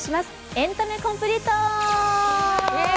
「エンタメコンプリート」。